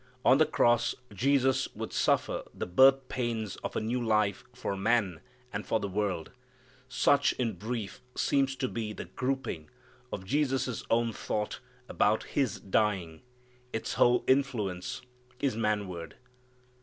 On the cross Jesus would suffer the birth pains of a new life for man and for the world. Such, in brief, seems to be the grouping of Jesus' own thought about His dying. Its whole influence is manward.